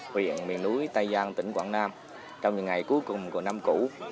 huyện miền núi tây giang tỉnh quảng nam trong những ngày cuối cùng của năm cũ